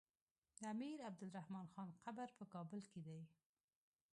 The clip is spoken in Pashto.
د امير عبدالرحمن خان قبر په کابل کی دی